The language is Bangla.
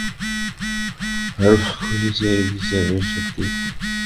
হারানবাবু কহিলেন, সে এক হিসাবে সত্য।